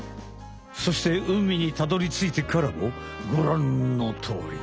そして海にたどりついてからもごらんのとおり。